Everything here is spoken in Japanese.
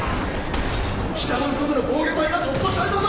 北門外の防御隊が突破されたぞ！